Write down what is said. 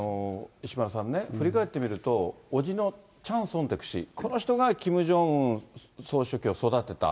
石丸さんね、振り返ってみると、おじのチャン・ソンテク氏、この人がキム・ジョンウン総書記を育てた。